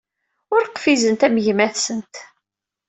Ur qfizent am gma-tsent.